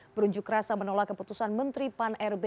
berunjuk rasa menolak keputusan menteri pan rb